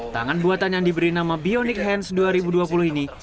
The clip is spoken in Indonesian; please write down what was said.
tangan buatan yang diberi nama bionik hans dua ribu dua puluh ini